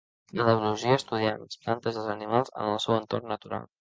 En la biologia estudiem les plantes i els animals en el seu entorn natural.